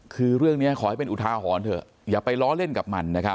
คือเรื่องนี้ขอให้เป็นอุทาหรณ์เถอะอย่าไปล้อเล่นกับมันนะครับ